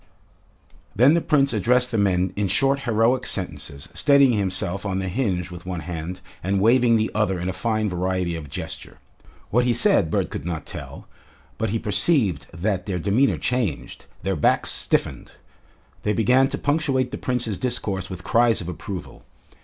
Then the Prince addressed the men in short, heroic sentences, steadying himself on the hinge with one hand and waving the other in a fine variety of gesture. What he said Bert could not tell, but he perceived that their demeanor changed, their backs stiffened. They began to punctuate the Prince's discourse with cries of approval.